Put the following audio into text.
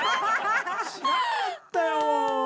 知らなかったよー。